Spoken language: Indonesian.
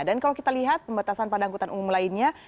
dan kalau kita lihat pembatasan pada angkutan umum lainnya